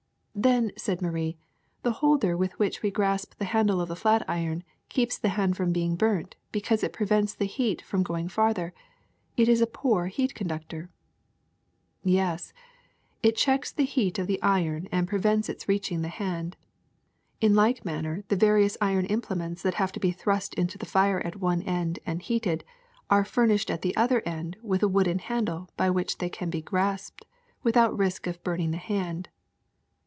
'' Then,'^ said Marie, *'the holder with which we grasp the handle of a flat iron keeps the hand from being burnt because it prevents the heat from going farther. It is a poor heat conductor. '^ Yes, it checks the heat of the iron and prevents its reaching the hand. In like manner the various iron implements that have to be thrust into the fire at one end and heated are furnished at the other end with a wooden handle by which they can be grasped without risk of burning the hand.